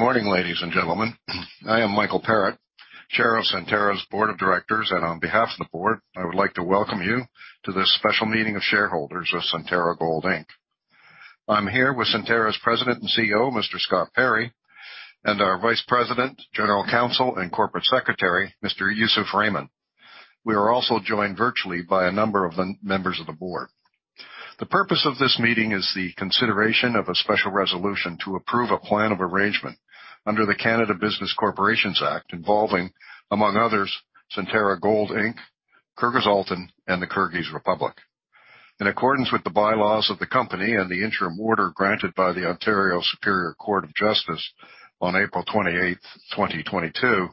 Good morning, ladies and gentlemen. I am Mike Parrett, Chair of Centerra's Board of Directors. On behalf of the board, I would like to welcome you to this special meeting of shareholders of Centerra Gold Inc. I'm here with Centerra's President and CEO, Mr. Scott Perry, and our Vice President, General Counsel, and Corporate Secretary, Mr. Yousef Rehman. We are also joined virtually by a number of the members of the board. The purpose of this meeting is the consideration of a special resolution to approve a plan of arrangement under the Canada Business Corporations Act involving, among others, Centerra Gold Inc., Kyrgyzaltyn, and the Kyrgyz Republic. In accordance with the bylaws of the company and the interim order granted by the Ontario Superior Court of Justice on April 28th, 2022,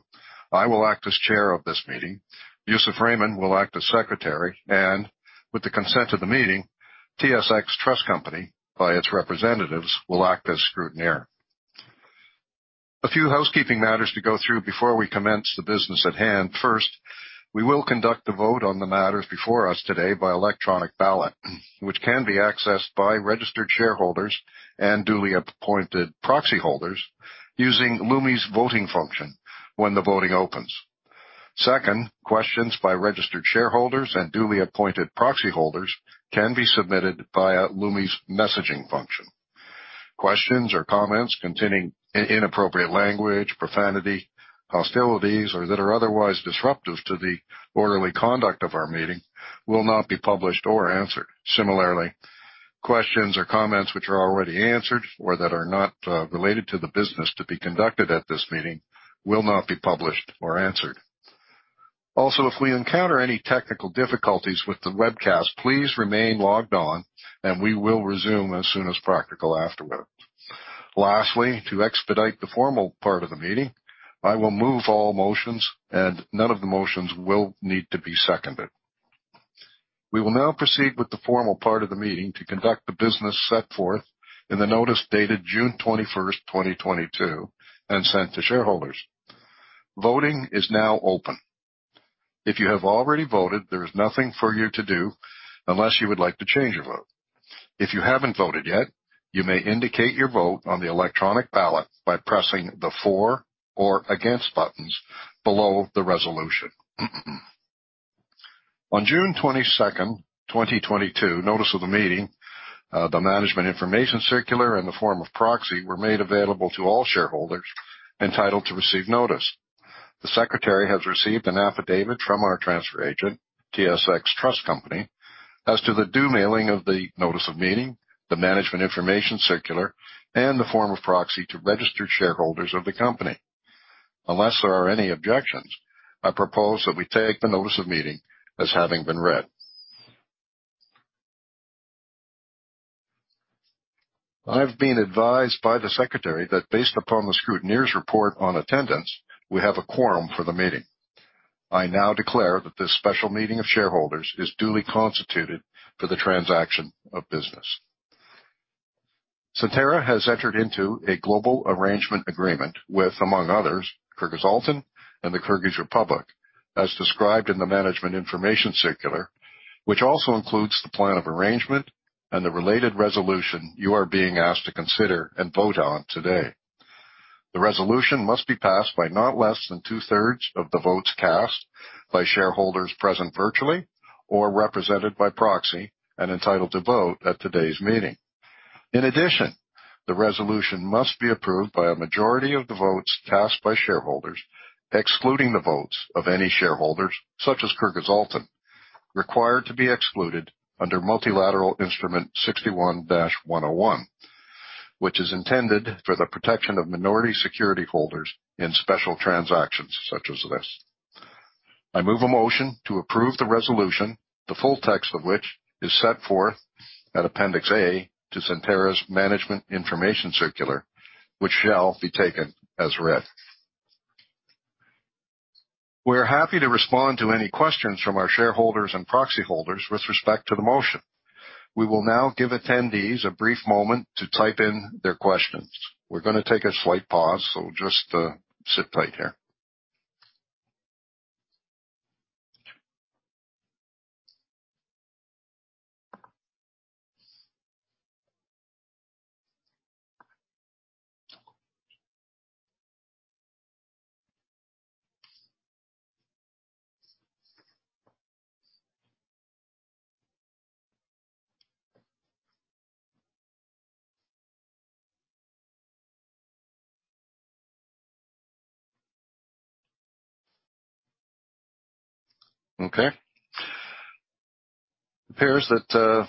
I will act as chair of this meeting. Yousef Rehman will act as secretary, and with the consent of the meeting, TSX Trust Company, by its representatives, will act as scrutineer. A few housekeeping matters to go through before we commence the business at hand. First, we will conduct a vote on the matters before us today by electronic ballot, which can be accessed by registered shareholders and duly appointed proxy holders using Lumi's voting function when the voting opens. Second, questions by registered shareholders and duly appointed proxy holders can be submitted via Lumi's messaging function. Questions or comments containing inappropriate language, profanity, hostilities, or that are otherwise disruptive to the orderly conduct of our meeting will not be published or answered. Similarly, questions or comments which are already answered or that are not related to the business to be conducted at this meeting will not be published or answered. Also, if we encounter any technical difficulties with the webcast, please remain logged on and we will resume as soon as practical afterward. Lastly, to expedite the formal part of the meeting, I will move all motions and none of the motions will need to be seconded. We will now proceed with the formal part of the meeting to conduct the business set forth in the notice dated June 21st, 2022 and sent to shareholders. Voting is now open. If you have already voted, there is nothing for you to do unless you would like to change your vote. If you haven't voted yet, you may indicate your vote on the electronic ballot by pressing the for or against buttons below the resolution. On June 22nd, 2022, notice of the meeting, the management information circular, and the form of proxy were made available to all shareholders entitled to receive notice. The secretary has received an affidavit from our transfer agent, TSX Trust Company, as to the due mailing of the notice of meeting, the management information circular, and the form of proxy to registered shareholders of the company. Unless there are any objections, I propose that we take the notice of meeting as having been read. I've been advised by the secretary that based upon the scrutineer's report on attendance, we have a quorum for the meeting. I now declare that this special meeting of shareholders is duly constituted for the transaction of business. Centerra has entered into a global arrangement agreement with, among others, Kyrgyzaltyn and the Kyrgyz Republic, as described in the management information circular, which also includes the plan of arrangement and the related resolution you are being asked to consider and vote on today. The resolution must be passed by not less than 2/3 of the votes cast by shareholders present virtually or represented by proxy and entitled to vote at today's meeting. In addition, the resolution must be approved by a majority of the votes cast by shareholders, excluding the votes of any shareholders, such as Kyrgyzaltyn, required to be excluded under Multilateral Instrument 61-101, which is intended for the protection of minority security holders in special transactions such as this. I move a motion to approve the resolution, the full text of which is set forth at Appendix A to Centerra's management information circular, which shall be taken as read. We're happy to respond to any questions from our shareholders and proxy holders with respect to the motion. We will now give attendees a brief moment to type in their questions. We're gonna take a slight pause, so just, sit tight here. Okay. It appears that the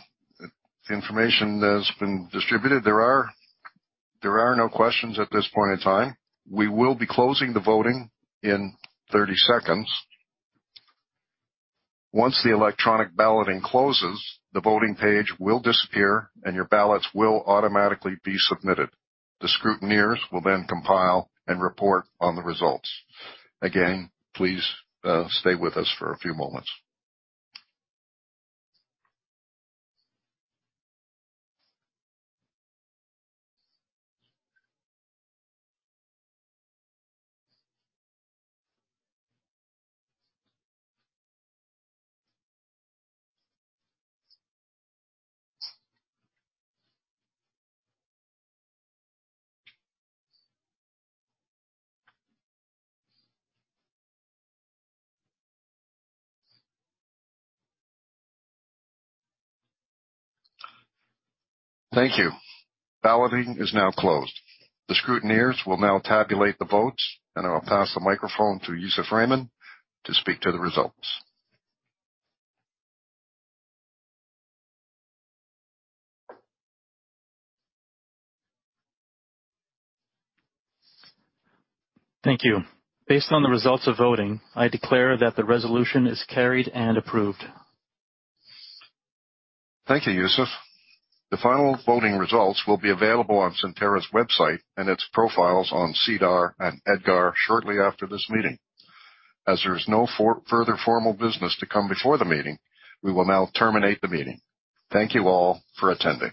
information has been distributed. There are no questions at this point in time. We will be closing the voting in 30 seconds. Once the electronic balloting closes, the voting page will disappear and your ballots will automatically be submitted. The scrutineers will then compile and report on the results. Again, please, stay with us for a few moments. Thank you. Balloting is now closed. The scrutineers will now tabulate the votes, and I'll pass the microphone to Yousef Rehman to speak to the results. Thank you. Based on the results of voting, I declare that the resolution is carried and approved. Thank you, Yousef. The final voting results will be available on Centerra's website and its profiles on SEDAR and EDGAR shortly after this meeting. As there is no further formal business to come before the meeting, we will now terminate the meeting. Thank you all for attending.